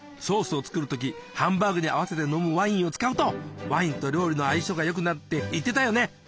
ソースを作る時ハンバーグに合わせて飲むワインを使うとワインと料理の相性が良くなるって言ってたよね。